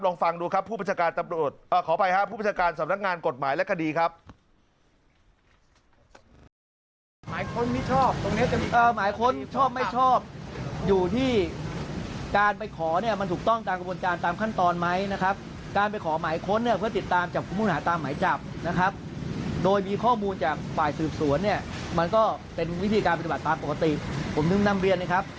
ลองฟังดูครับผู้ประชาการสำนักงานกฎหมายและคดีครับ